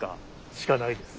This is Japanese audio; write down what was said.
しかないんです。